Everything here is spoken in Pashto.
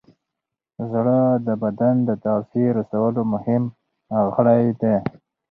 زړه د بدن د تغذیې رسولو مهم غړی دی.